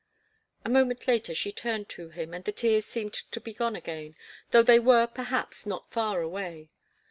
A moment later she turned to him, and the tears seemed to be gone again, though they were, perhaps, not far away.